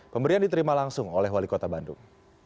pemberian diterima langsung oleh wali kota bandung